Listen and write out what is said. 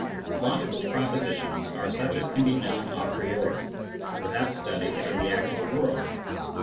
Logical propositions are such as can be known a priori, without study of the actual world.